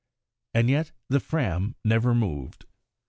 And yet the Fram never moved.